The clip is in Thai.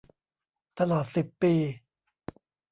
ตลอดสิบปี